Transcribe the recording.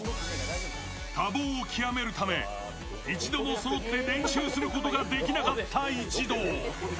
多忙を極めるため、一度もそろって練習することができなかった一同。